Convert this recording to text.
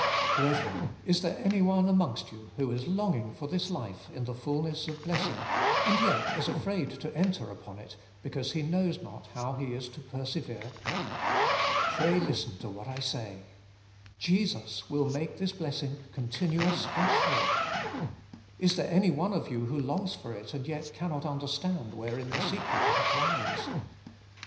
Brethren, is there anyone amongst you who is longing for this life in the fulness of blessing, and yet is afraid to enter upon it, because he knows not how he is to persevere ? Pray listen to what I say : Jesus will make this blessing continuous and sure. Is there any one of you who longs for it and yet cannot understand wherein the secret of it lies